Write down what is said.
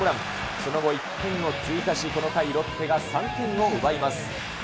その後１点を追加し、この回ロッテが３点を奪います。